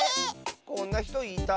こんなひといた？